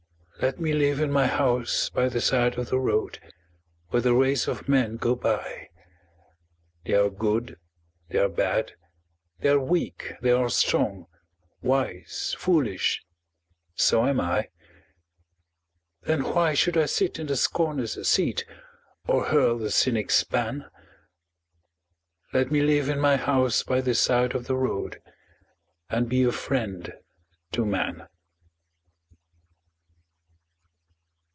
Let me live in my house by the side of the road, Where the race of men go by They are good, they are bad, they are weak, they are strong, Wise, foolish so am I. Then why should I sit in the scorner's seat, Or hurl the cynic's ban? Let me live in my house by the side of the road And be a friend to man.